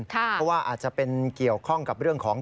เพราะว่าอาจจะเป็นเกี่ยวข้องกับเรื่องของ